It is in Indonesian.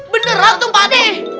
beneran tuh pak d